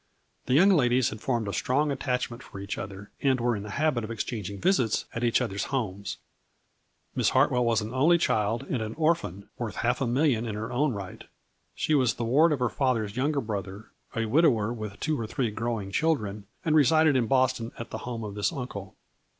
The young ladies had formed a strong attachment for each other, and were in the habit of exchang ing visits at each other's homes. Miss Hart 132 A FLURRY IN DIAMONDS. well was an only child and an orphan, worth half a million in her own right. She was the ward of her father's younger brother, a widower with two or three growing children, and resided in Boston at the home of this uncle.